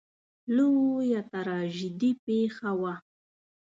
لویه تراژیدي پېښه شوه.